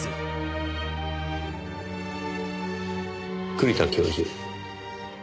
栗田教授。